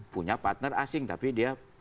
punya partner asing tapi dia